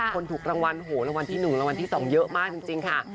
คนถูกรางวัลโหรางวัลที่๑รางวัลที่๒เยอะมากจริงค่ะ